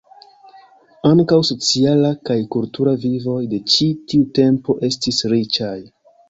Ankaŭ sociala kaj kultura vivoj de ĉi tiu tempo estis riĉaj.